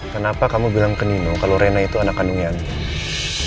kenapa kamu bilang ke nino kalau rina itu anak kandungnya andin